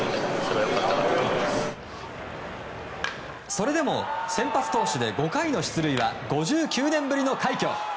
それでも先発投手で５回の出塁は５９年ぶりの快挙。